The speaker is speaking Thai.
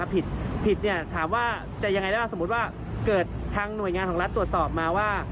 ผิดถามว่าจะยังไงได้บ้างสมมุติว่าเกิดทางหน่วยงานของรัฐตรวจสอบมาว่า